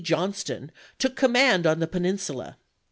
Johnston took command on the Peninsula.